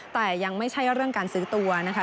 แต่ยังไม่ใช่เรื่องการซื้อตัวนะคะ